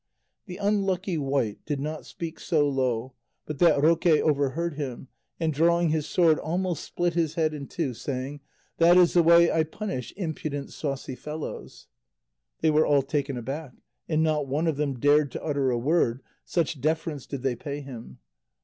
The unlucky wight did not speak so low but that Roque overheard him, and drawing his sword almost split his head in two, saying, "That is the way I punish impudent saucy fellows." They were all taken aback, and not one of them dared to utter a word, such deference did they pay him.